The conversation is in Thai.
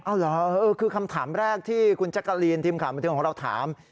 เอาเหรอคือคำถามแรกที่คุณแจ๊กกะลีนทีมข่าวบันเทิงของเราถาม